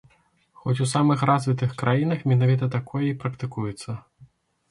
Хоць у самых развітых краінах менавіта такое і практыкуецца.